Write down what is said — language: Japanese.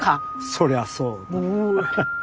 そりゃそうだ。